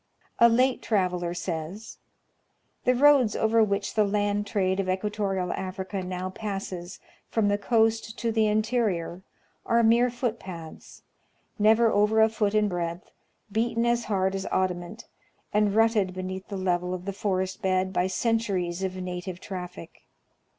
A late traveler sa3^s :" The roads over which the land trade of equatorial Africa now passes from the coast to the interior are mere footpaths, never over a foot in breadth, beaten as hard as adamant, and rutted beneath the level of the forest bed by centuries of native traffic.